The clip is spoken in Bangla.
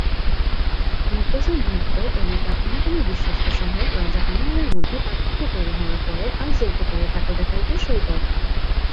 মুর্তজা ভুট্টো এবং তার অন্যতম বিশ্বস্ত সহায়ক রাজা আনোয়ারের মধ্যে পার্থক্য তৈরি হওয়ার পরে আল-জুলফিকারে ফাটল দেখা দিতে শুরু করে।